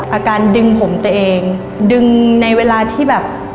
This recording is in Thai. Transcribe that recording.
อาการดึงผมตัวเองดึงในเวลาที่แบบ